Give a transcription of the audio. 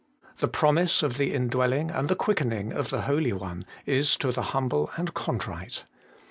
The promise of the indwelling and the quickening of the Holy One is to the humble and contrite.